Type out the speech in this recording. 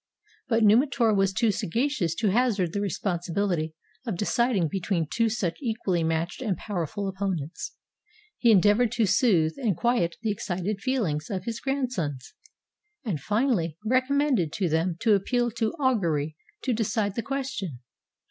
But Numitor was too sagacious to hazard the respon sibility of deciding between two such equally matched and powerful opponents. He endeavored to soothe and quiet the excited feelings of his grandsons, and finally recommended to them to appeal to augury to decide the question.